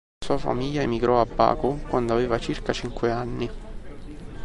La sua famiglia emigrò a Baku quando aveva circa cinque anni.